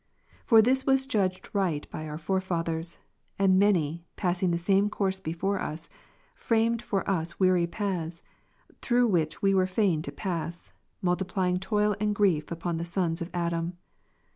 For this was judged right by our forefathers; and many, passing the same course before us, framed for us weary paths, through which we were fain to pass ; multiply ing toil and grief upon the sons of Adam.